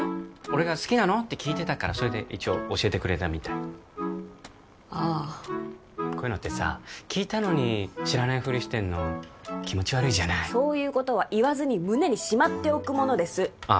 俺が「好きなの？」って聞いてたからそれで一応教えてくれたみたいああこういうのってさ聞いたのに知らないフリしてんの気持ち悪いじゃないそういうことは言わずに胸にしまっておくものですあ